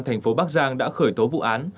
thành phố bắc giang đã khởi tố vụ án